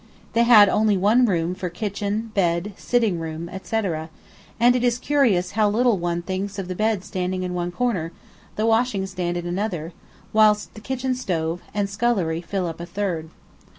They had only one room for kitchen, bed, sitting room, &c. and it is curious how little one now thinks of the bed standing in one corner, the washing stand in another, whilst kitchen stove, and scullery fill up a third.